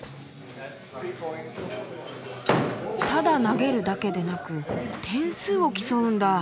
ただ投げるだけでなく点数を競うんだ。